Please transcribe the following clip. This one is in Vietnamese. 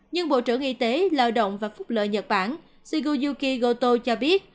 nhưng bộ trưởng y tế lợi động và phúc lợi nhật bản shigoyuki goto cho biết